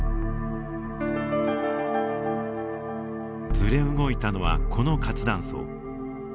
ずれ動いたのはこの活断層。